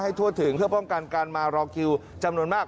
ทั่วถึงเพื่อป้องกันการมารอคิวจำนวนมาก